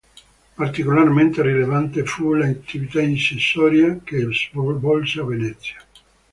Particolarmente rilevante fu l'attività incisoria che svolse a Venezia.